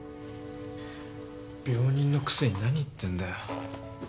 病人のくせに何言ってんだよ。